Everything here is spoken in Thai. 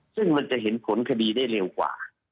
ซึ่งมันจะเห็นผลคดีได้เร็วกว่า